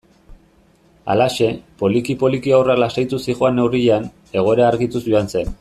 Halaxe, poliki-poliki haurra lasaituz zihoan neurrian, egoera argituz joan zen.